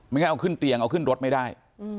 งั้นเอาขึ้นเตียงเอาขึ้นรถไม่ได้